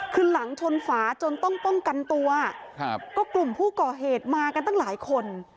คือหลังชนฝาจนต้องป้องกันตัวครับก็กลุ่มผู้ก่อเหตุมากันตั้งหลายคน